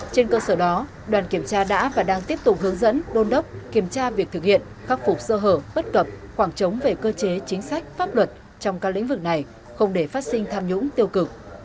trên cơ sở đó đoàn kiểm tra đã và đang tiếp tục hướng dẫn đôn đốc kiểm tra việc thực hiện khắc phục sơ hở bất cập khoảng trống về cơ chế chính sách pháp luật trong các lĩnh vực này không để phát sinh tham nhũng tiêu cực